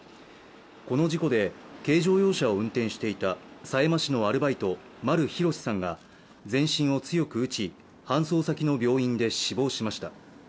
この事故で、軽乗用車を運転していた狭山市のアルバイト、丸裕さんが全身を強く打ち、搬送先の病院で死亡しました。